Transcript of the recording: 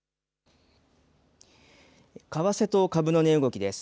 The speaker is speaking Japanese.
為替と株の値動きです。